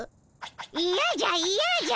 いやじゃいやじゃ！